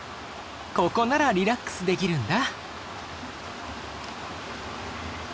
ここならリラックスできるんだ。